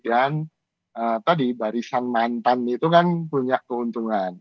dan tadi barisan mantan itu kan punya keuntungan